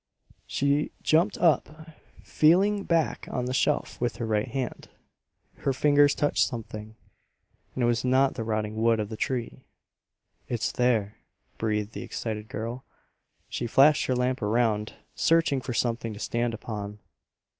She jumped up, feeling back on the shelf with her right hand. Her fingers touched something, and it was not the rotting wood of the tree! "It's there!" breathed the excited girl. She flashed her lamp around, searching for something to stand upon.